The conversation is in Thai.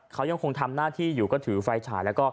เขายังคงทำหน้าที่อยู่ก็ถือไฟฉายแล้วก็